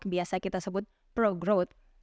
biasa kita sebut pro growth